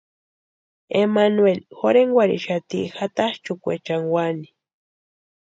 Emmanueli jorhenkwarhixati jatanchʼukwechani úani.